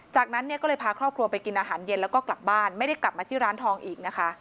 จากนั้นเนี่ยก็เลยพาครอบครัวไปกินอาหารเย็นแล้วก็กลับบ้านไม่ได้กลับมาที่ร้านทองอีกนะคะ